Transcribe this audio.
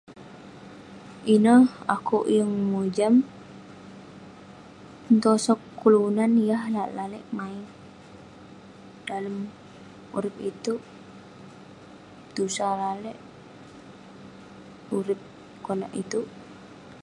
ineh akouk yeng mojam, pun tosog kelunan yah lalek lalek mait dalem urip itouk, tusah lalek urip konak itouk..